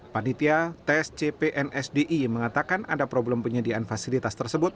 panditia tscpnsdi mengatakan ada problem penyediaan fasilitas tersebut